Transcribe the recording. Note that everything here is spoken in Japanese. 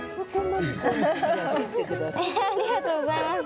ありがとうございます。